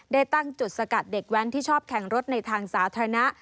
ได้ตั้งจุดสกัดเด็กแว้นที่ชอบแข่งรถในทางสาธารณะ